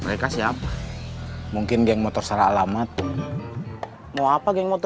akhirnya humournya tuh ludah banget